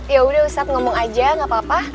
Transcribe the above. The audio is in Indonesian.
yaudah ustaz ngomong aja gak apa apa